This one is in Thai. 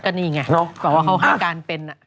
ก็นี่ไงแต่ว่าเขาห้ามการเป็น